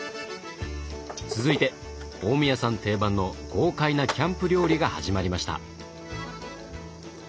続いて大宮さん定番の豪快なキャンプ料理が始まりました。